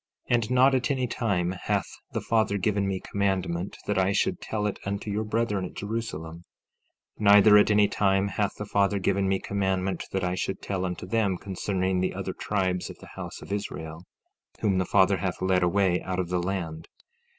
15:14 And not at any time hath the Father given me commandment that I should tell it unto your brethren at Jerusalem. 15:15 Neither at any time hath the Father given me commandment that I should tell unto them concerning the other tribes of the house of Israel, whom the Father hath led away out of the land.